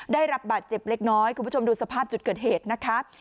ได้รับบาดเจ็บเล็กน้อยคุณผู้ชมดูสภาพจุดเกิดเหตุนะคะ